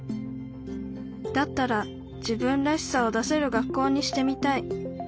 「だったら自分らしさを出せる学校にしてみたい」